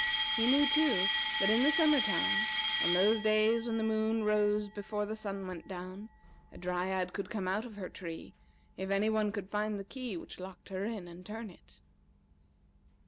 He knew, too, that in the summer time, on those days when the moon rose before the sun went down, a Dryad could come out of her tree if any one could find the key which locked her in, and turn it.